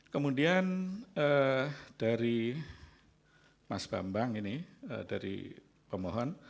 kemudian dari mas bambang ini dari pemohon